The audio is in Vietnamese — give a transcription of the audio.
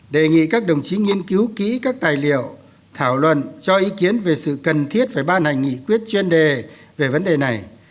đề nghị các đồng chí nghiên cứu kỹ các tài liệu thảo luận cho ý kiến về sự cần thiết phải ban hành nghị quyết chuyên đề về vấn đề này